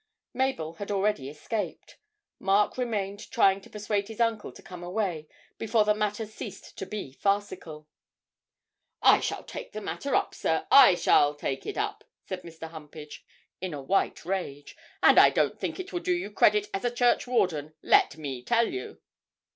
Mabel had already escaped; Mark remained trying to persuade his uncle to come away before the matter ceased to be farcical. 'I shall take this matter up, sir! I shall take it up!' said Mr. Humpage, in a white rage; 'and I don't think it will do you credit as a churchwarden, let me tell you!'